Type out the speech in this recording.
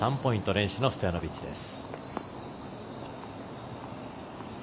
連取のストヤノビッチです。